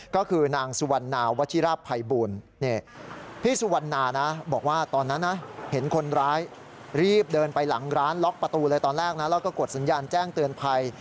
แต่ตอนแรกเราก็กดสัญญาณแจ้งเตือนภัย